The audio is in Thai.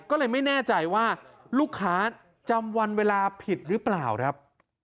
ก็เลยไม่แน่ใจว่าลูกค้าจำวันเวลาผิดหรือเปล่าครับ